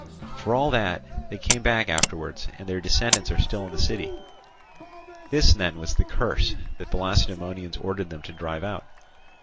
For all that, they came back afterwards, and their descendants are still in the city. This, then was the curse that the Lacedaemonians ordered them to drive out.